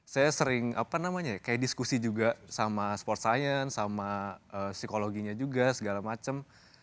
saya sering apa namanya kayak diskusi juga sama sport science sama psikologinya juga segala macem